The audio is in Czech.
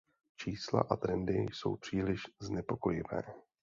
Čísla a trendy jsou příliš znepokojivé.